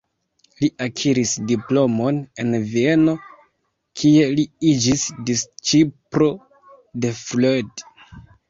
Li akiris diplomon en Vieno, kie li iĝis disĉiplo de Freud.